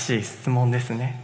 質問ですね。